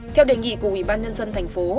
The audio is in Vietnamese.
theo đề nghị của ủy ban nhân dân tp